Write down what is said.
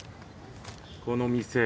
この店